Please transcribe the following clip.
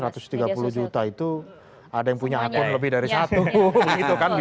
tapi satu ratus tiga puluh juta itu ada yang punya akun lebih dari satu